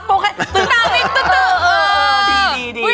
ไม่ได้